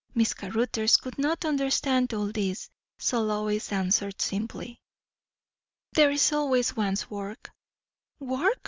Miss Caruthers could not understand all this; so Lois answered simply, "There is always one's work." "Work!